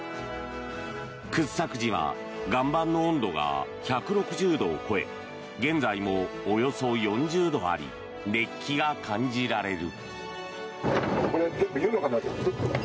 掘削時は岩盤の温度が１６０度を超え現在もおよそ４０度あり熱気が感じられる。